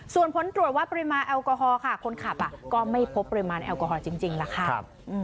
ส่วนผลตรวจวัดปริมาณแอลกอฮอล์ค่ะคนขับก็ไม่พบปริมาณแอลกอฮอลจริงล่ะค่ะ